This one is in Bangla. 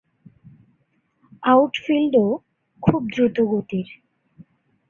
আউটফিল্ডও খুব দ্রুতগতির।